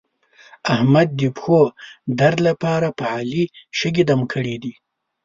احمد د پښو درد لپاره په علي شګې دم کړې دي.